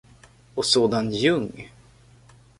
Och sådan ljung!